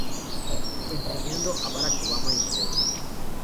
Enseñando a Barack Obama entre otros.